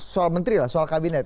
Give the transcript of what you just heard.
soal menteri lah soal kabinet